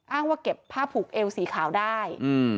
ว่าเก็บผ้าผูกเอวสีขาวได้